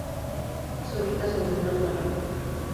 Se ubica sobre unos barrancos.